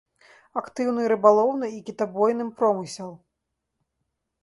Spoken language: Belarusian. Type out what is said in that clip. Актыўны рыбалоўны і кітабойным промысел.